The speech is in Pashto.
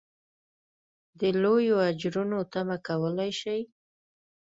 د لویو اجرونو تمه کولای شي.